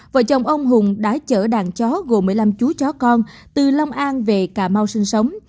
một nghìn chín trăm hai mươi một vợ chồng ông hùng đã chở đàn chó gồm một mươi năm chú chó con từ long an về cà mau sinh sống